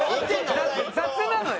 雑なのよ。